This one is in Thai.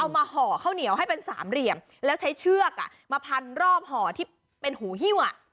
ห่อข้าวเหนียวให้เป็นสามเหลี่ยมแล้วใช้เชือกมาพันรอบห่อที่เป็นหูหิ้ว